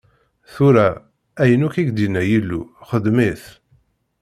Tura, ayen akk i k-d-inna Yillu, xedm-it.